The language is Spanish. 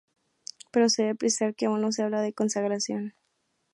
Pero se debe precisar que aún no se hablaba de consagración.